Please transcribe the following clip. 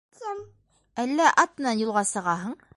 Әллә... ат менән юлға сығаһың?